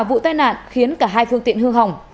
vụ tai nạn khiến cả hai phương tiện hư hỏng